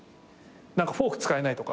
何かフォーク使えないとか。